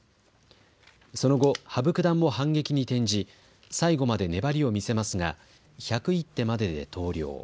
その後、羽生九段も反撃に転じ最後まで粘りを見せますが１０１手までで投了。